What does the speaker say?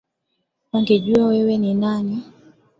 Wangejua wewe ni nani